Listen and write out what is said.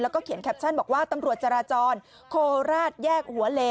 แล้วก็เขียนแคปชั่นบอกว่าตำรวจจราจรโคราชแยกหัวเล